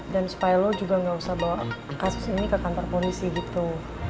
dan supaya lo juga nggak usah bawa kasus ini ke kantor polisi gitu